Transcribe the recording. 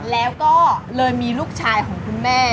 แล้วก็เลยมีลูกชายของคุณแม่